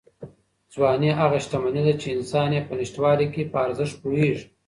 ځواني هغه شتمني ده چې انسان یې په نشتوالي کې په ارزښت پوهېږي.